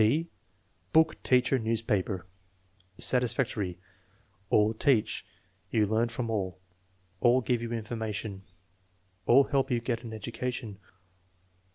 (6) Booh, teacher, newspaper Satisfactory. "All teach." "You learn from all." "All give you information." "All help you get an education."